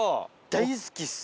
大好きっす。